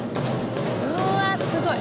うわすごい。